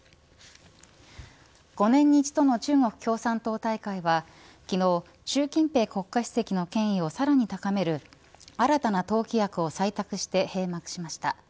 ５年に一度の中国共産党大会は昨日習近平国家主席の権威をさらに高める新たな党規約を採択して閉幕しました。